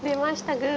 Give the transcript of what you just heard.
グー。